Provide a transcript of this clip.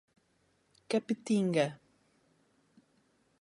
Capetinga